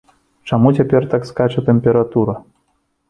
Чаму цяпер так скача тэмпература?